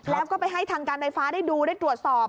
แล้วก็ไปให้ทางการไฟฟ้าได้ดูได้ตรวจสอบ